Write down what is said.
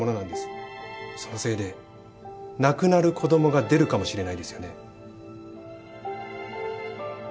そのせいで亡くなる子供が出るかもしれないですよね。